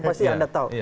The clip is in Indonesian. pasti anda tahu